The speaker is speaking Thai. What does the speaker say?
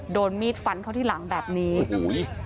โดนมีดฟันเข้าที่หลังแบบนี้โอ้โห